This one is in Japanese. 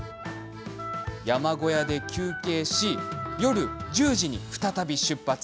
山小屋で休憩し夜１０時に再び出発。